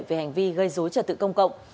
về hành vi gây dối trật tự công cộng